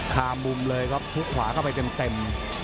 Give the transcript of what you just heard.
ขามุมเลยเขาพลุกขวาเข้าไปเต็ม